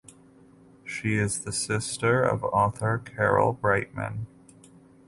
She is the sister of author Carol Brightman.